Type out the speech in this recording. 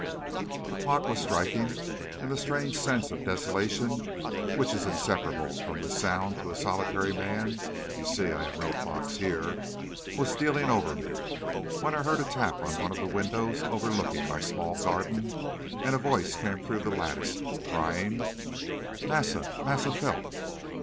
"The clock was striking, and the strange sense of desolation which is inseparable from this sound to a solitary man (you see I have no clock here) was stealing over me, when I heard a tap on one of the windows overlooking my small garden, and a voice came through the lattice, crying: "'Massa Massa Felt.'